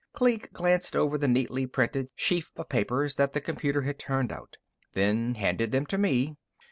Kleek glanced over the neatly printed sheaf of papers that the computer had turned out, then handed them to me.